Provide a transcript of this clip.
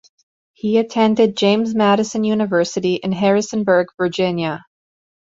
He attended James Madison University in Harrisonburg, Virginia.